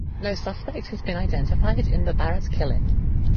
No suspect has been identified in the Barrett killing.